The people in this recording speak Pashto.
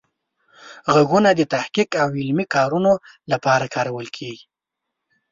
غږونه د تحقیق او علمي کارونو لپاره کارول کیږي.